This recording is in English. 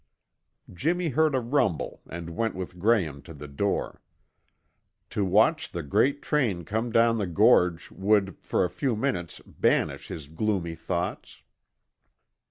Jimmy heard a rumble and went with Graham to the door. To watch the great train come down the gorge would for a few minutes banish his gloomy thoughts.